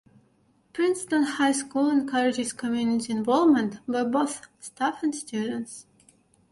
Princeton High School encourages community involvement by both staff and students.